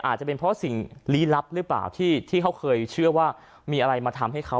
อาจจะเป็นเพราะสิ่งลี้ลับหรือเปล่าที่เขาเคยเชื่อว่ามีอะไรมาทำให้เขา